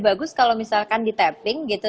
bagus kalau misalkan di tapping gitu